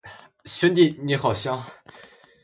兄弟，你好香